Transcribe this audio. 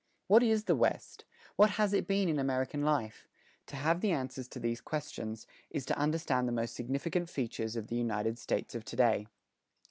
What is the West? What has it been in American life? To have the answers to these questions, is to understand the most significant features of the United States of to day.